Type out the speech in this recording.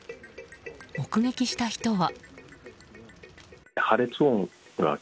目撃した人は。